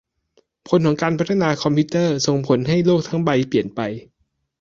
ผลของการพัฒนาคอมพิวเตอร์ ส่งผลให้โลกทั้งใบเปลี่ยนไป